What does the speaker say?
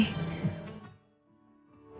ya allah aku mohon ya allah